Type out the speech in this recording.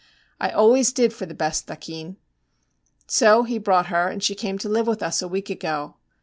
I always did for the best, thakin. So he brought her, and she came to live with us a week ago.